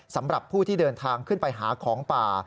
สำหรับผู้ที่เดินทางขึ้นไปหาของป่า